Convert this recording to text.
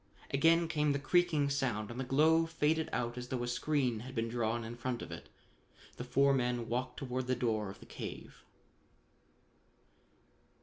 Again came the creaking sound and the glow faded out as though a screen had been drawn in front of it. The four men walked toward the door of the cave.